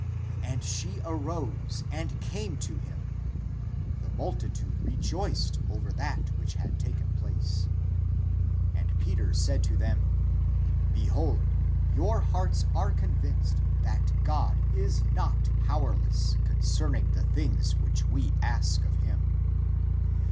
And she arose and came to him. The multitude re joiced over that which had taken place. And Peter said to them :" Behold, your hearts are convinced that God is not powerless concerning the things which we ask of him."